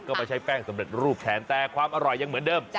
ก็ไม่ใช่แป้งสำเร็จรูปแทนแต่ความอร่อยยังเหมือนเดิม